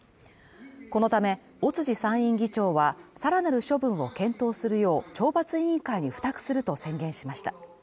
このため、尾辻参院議長は、さらなる処分を検討するよう、懲罰委員会に付託すると宣言しました。